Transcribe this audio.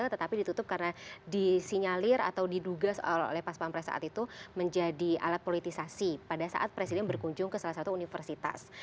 tetapi ditutup karena disinyalir atau diduga oleh pas pampres saat itu menjadi alat politisasi pada saat presiden berkunjung ke salah satu universitas